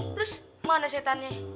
terus mana setannya